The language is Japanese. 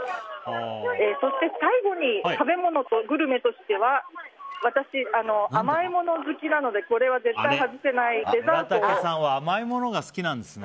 そして最後に食べ物とグルメとしては私、甘い物好きなのでこれは絶対に外せない甘いものが好きなんですね。